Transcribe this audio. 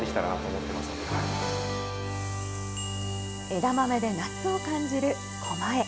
枝豆で夏を感じる狛江。